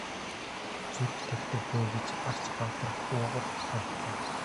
Зүрх тахидаг бөө гэж Арц баатар уулга алдлаа.